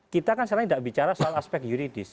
kita kan sekarang tidak bicara soal aspek yuridis